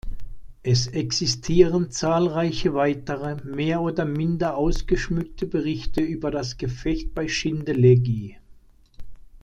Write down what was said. Es existieren zahlreiche weitere, mehr oder minder ausgeschmückte Berichte über das Gefecht bei Schindellegi.